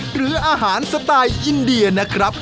หรืออาหารสไตล์อินเดียนะครับ